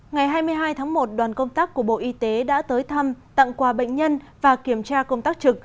ngày hai mươi hai tháng một đoàn công tác của bộ y tế đã tới thăm tặng quà bệnh nhân và kiểm tra công tác trực